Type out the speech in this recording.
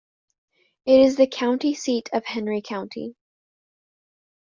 It is the county seat of Henry County.